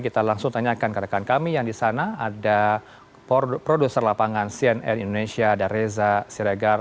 kita langsung tanyakan ke rekan kami yang di sana ada produser lapangan cnn indonesia ada reza siregar